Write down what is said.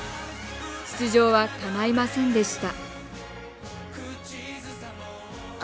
出場は、かないませんでした。